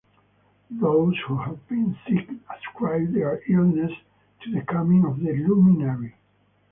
Those who have been sick ascribe their illness to the coming of the luminary.